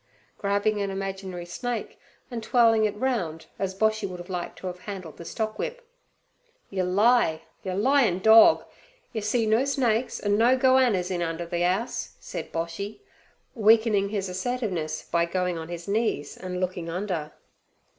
grabbing an imaginary snake, and twirling it round, as Boshy would have liked to have handled the stock whip. 'Yer lie! yer lying dorg! Yer see no snakes an' no go'annas in under ther 'ouse,' said Boshy, weakening his assertiveness by going on his knees and looking under.